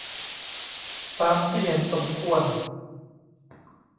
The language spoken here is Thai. ตามที่เห็นสมควร